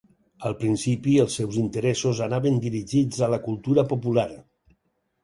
Al principi, els seus interessos anaven dirigits a la cultura popular.